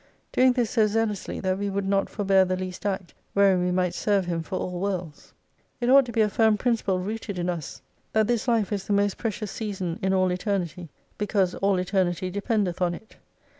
Doing this so zealously that we would not for bear the least act wherein we might serve Him for all worlds. It ought to be a firm principle rooted in us, that this life is the most precious season in all Eternity, because all Eternity dependeth on it.